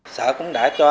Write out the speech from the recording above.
sở cũng đã cho